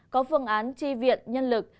có phương án tri viện nhân lực